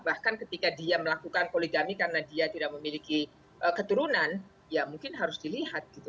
bahkan ketika dia melakukan poligami karena dia tidak memiliki keturunan ya mungkin harus dilihat gitu